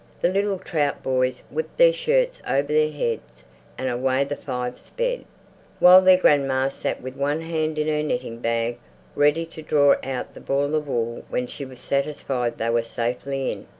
The little Trout boys whipped their shirts over their heads, and away the five sped, while their grandma sat with one hand in her knitting bag ready to draw out the ball of wool when she was satisfied they were safely in.